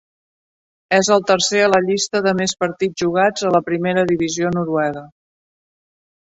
És el tercer a la llista de més partits jugats a la primera divisió noruega.